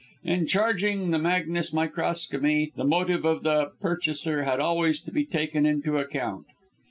In charging the magnes microcosmi, the motive of the purchaser had always to be taken into account.